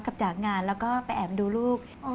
กลับจากงานแล้วก็ไปแอบดูลูก